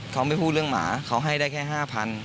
เขาไม่พูดเรื่องหมาเขาให้ได้แค่๕๐๐บาท